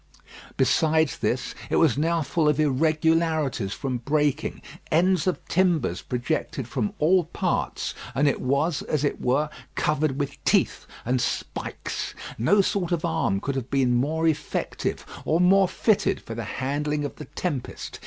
Besides this, it was now full of irregularities from breaking; ends of timbers projected from all parts; and it was, as it were, covered with teeth and spikes. No sort of arm could have been more effective, or more fitted for the handling of the tempest.